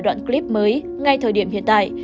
đoạn clip mới ngay thời điểm hiện tại